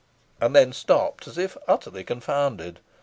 And then stopped, as if utterly confounded.